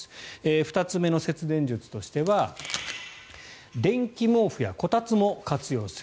２つ目の節約術としては電気毛布やこたつも活用する。